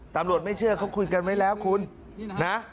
ไม่เชื่อเขาคุยกันไว้แล้วคุณนะ